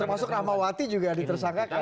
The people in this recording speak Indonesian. termasuk rahmawati juga ditersangkakan